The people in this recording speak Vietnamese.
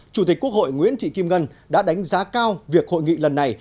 chủ tịch quốc hội nguyễn thị kim ngân đã đánh giá cao việc hội nghị lần này